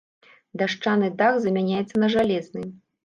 Дашчаны дах замяняецца на жалезны.